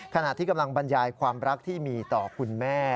ขณะที่กำลังบรรยายความรักที่มีต่อคุณแม่